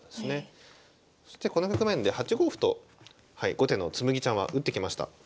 そしてこの局面で８五歩と後手の紬ちゃんは打ってきました。